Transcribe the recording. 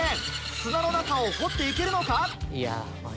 砂の中を掘って行けるのか？